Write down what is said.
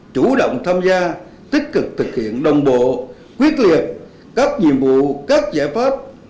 chủ động tham gia tích cực thực hiện đồng bộ quyết liệt các nhiệm vụ các giải pháp